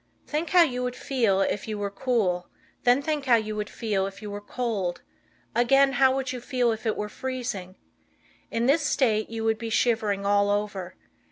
Think how you would feel if you were cool; then how you would feel if you were cold; again, how you would feel if it were freezing. In this state you would be shivering all over.